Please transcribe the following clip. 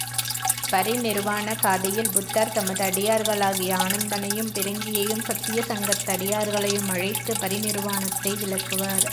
பரிநிருவாண காதை யில் புத்தர் தமது அடியார்களாகிய ஆனந்தனையும் பிருங்கியையும் சத்தியசங்கத்து அடியார்களையும் அழைத்துப் பரிநிருவாணத்தை விளக்குவார்.